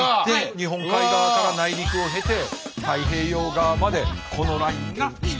日本海側から内陸を経て太平洋側までこのラインが一つにつながりました。